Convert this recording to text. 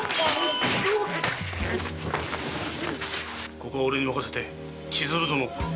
ここは俺に任せて千鶴殿を！